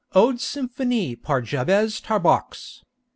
ODE SYMPHONIE PAR JABEZ TARBOX.